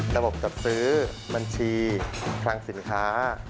ระบบจัดซื้อบัญชีคลังสินค้า